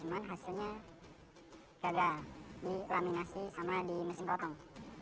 cuman hasilnya gagal di laminasi sama di mesin potong